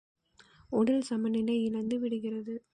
உடல் சமநிலை இழந்து விடுகிறது.